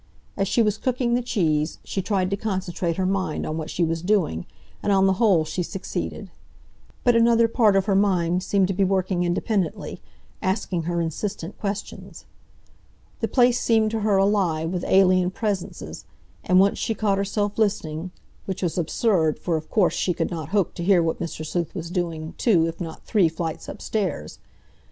As she was cooking the cheese, she tried to concentrate her mind on what she was doing, and on the whole she succeeded. But another part of her mind seemed to be working independently, asking her insistent questions. The place seemed to her alive with alien presences, and once she caught herself listening—which was absurd, for, of course, she could not hope to hear what Mr. Sleuth was doing two, if not three, flights upstairs.